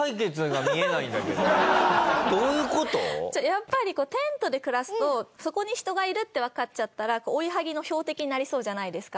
やっぱりテントで暮らすとそこに人がいるってわかっちゃったら追い剥ぎの標的になりそうじゃないですか。